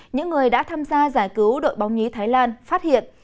những người đã tham gia giải cứu đội bóng nhí thái lan phát hiện